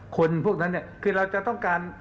คนพวกนั้นคือเราจะต้องการ